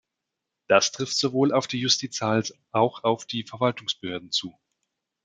Das trifft sowohl auf die Justizals auch auf die Verwaltungsbehörden zu.